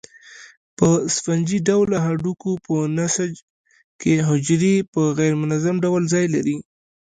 په سفنجي ډوله هډوکو په نسج کې حجرې په غیر منظم ډول ځای لري.